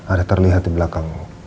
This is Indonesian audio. ada terlihat di belakang